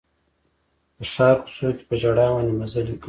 د ښار کوڅو کې په ژړا باندې مزلې کوي